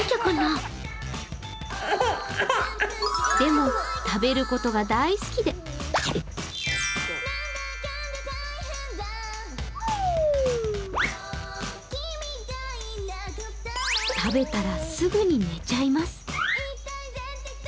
でも、食べることが大好きで食べたらすぐに寝ちゃいます。